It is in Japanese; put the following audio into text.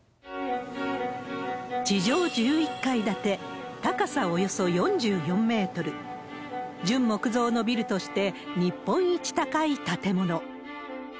地上１１階建て、高さおよそ４４メートル、純木造のビルとして、日本一高い建物。